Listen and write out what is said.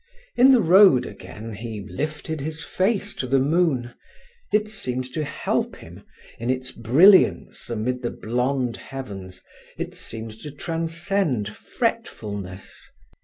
In the road again he lifted his face to the moon. It seemed to help him; in its brilliance amid the blonde heavens it seemed to transcend fretfulness.